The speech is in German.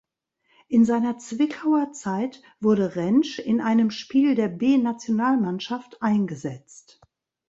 In seiner Zwickauer Zeit wurde Rentzsch in einem Spiel der B-Nationalmannschaft eingesetzt.